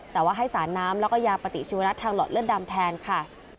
แต่ว่าให้สารน้ำแล้วก็ยาปฏิชีวรัฐทางหลอดเลือดดำแทนค่ะ